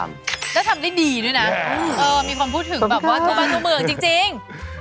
มีคนพูดถึงแบบว่าธุบันธุเมืองจริง